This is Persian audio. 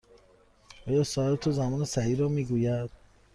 آیا ساعت تو زمان صحیح را می گوید؟